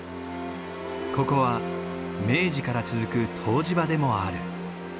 ここは明治から続く湯治場でもある。